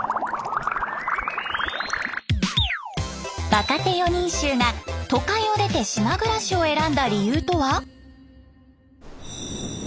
若手四人衆が都会を出て島暮らしを選んだ理由とは？